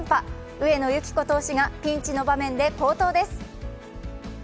上野由岐子投手がピンチの場面で好投です。